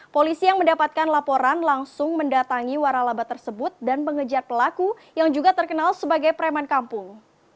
polisi yang mendapatkan laporan langsung mendatangi waralaba tersebut dan mengejar pelaku yang juga terkenal sebagai preman kampung